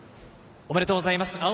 おめでとうございます。